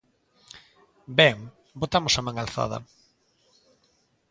Ben, votamos á man alzada.